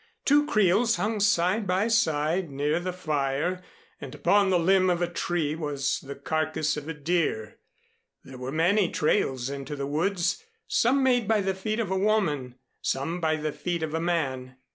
Two creels hung side by side near the fire and upon the limb of a tree was the carcass of a deer. There were many trails into the woods some made by the feet of a woman, some by the feet of a man.